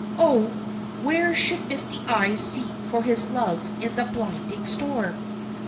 Oh! where should Misty Eyes seek for his love in the blinding storm?